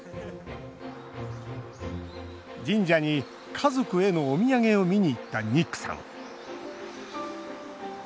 神社に家族へのお土産を見に行ったニックさん。